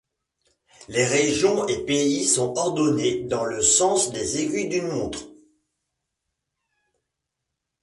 Les régions et pays sont ordonnés dans le sens des aiguilles d'une montre.